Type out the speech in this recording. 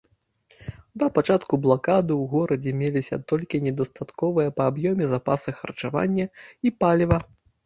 Да пачатку блакады ў горадзе меліся толькі недастатковыя па аб'ёме запасы харчавання і паліва.